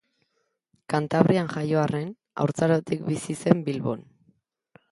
Kantabrian jaio arren, haurtzarotik bizi zen Bilbon.